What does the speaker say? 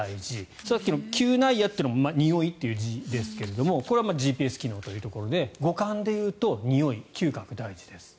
さっきの嗅内野というのもにおいという字ですがこれはＧＰＳ機能というところで五感でいうと嗅覚、においが大事です。